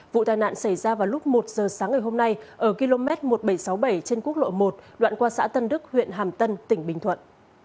vụ tai nạn xảy ra vào lúc một giờ sáng ngày hôm nay ở km một nghìn bảy trăm sáu mươi bảy trên quốc lộ một đoạn qua xã tân đức huyện hàm tân tỉnh bình thuận